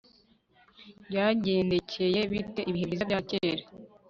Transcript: byagendekeye bite ibihe byiza bya kera